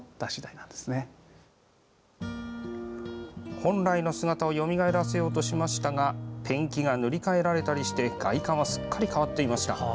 本来の姿をよみがえらせようとしましたがペンキが塗り替えられていたりして外観はすっかり変わっていました。